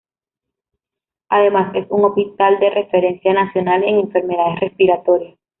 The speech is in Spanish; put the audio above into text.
Además es un hospital de referencia nacional en enfermedades respiratorias.